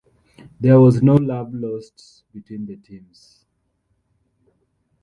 There was no love lost between the teams.